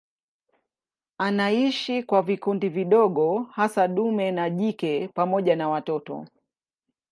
Anaishi kwa vikundi vidogo hasa dume na jike pamoja na watoto.